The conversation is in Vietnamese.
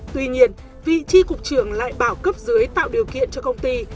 tuy nhiên vị tri cục trưởng lại bảo cấp dưới tạo điều kiện cho công ty